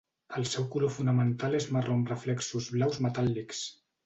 El seu color fonamental és marró amb reflexos blaus metàl·lics.